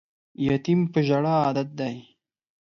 یتیم په ژړا عادت دی